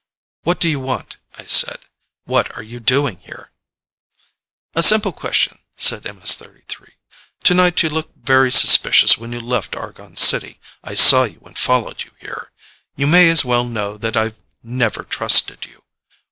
"What do you want?" I said. "What are you doing here?" "A simple question," said MS 33. "Tonight you looked very suspicious when you left Argon City. I saw you and followed you here. You may as well know that I have never trusted you.